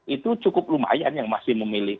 itu cukup lumayan yang masih memilih